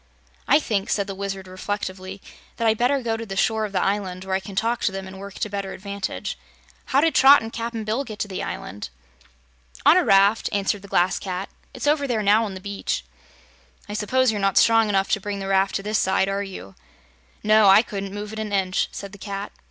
"I think," said the Wizard reflectively, "that I'd better go to the shore of the island, where I can talk to them and work to better advantage. How did Trot and Cap'n Bill get to the island?" "On a raft," answered the Glass Cat. "It's over there now on the beach." "I suppose you're not strong enough to bring the raft to this side, are you?" "No; I couldn't move it an inch," said the Cat.